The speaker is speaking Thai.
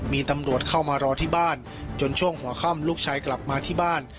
มีตำรวจเข้ามารอที่บ้านจนช่วงหัวค่ำลูกชายกลับมาที่บ้าน